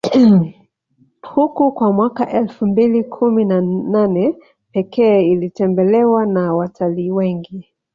huku kwa mwaka elfu mbili kumi na nane Pekee ilitembelewa na watalii wengi